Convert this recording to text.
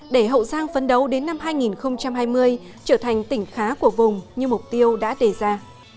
để hậu giang phấn đấu đến năm hai nghìn hai mươi trở thành tỉnh khá của vùng như mục tiêu đã đề ra